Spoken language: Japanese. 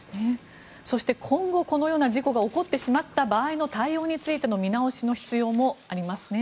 そして今後このような事故が起こってしまった場合の対応についての見直しの必要もありますね。